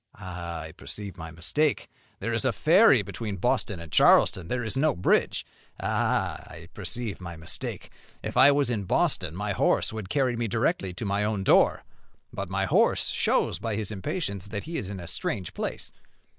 "I perceive my mistake; there is a ferry between Boston and Charlestown, there is no bridge. Ah, I perceive my mistake. If I was in Boston, my horse would carry me directly to my own door. But my horse shows by his impatience that he is in a strange place.